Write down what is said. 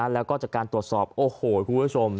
แล้วก็จากการตรวจสอบโอ้โหคุณผู้ชม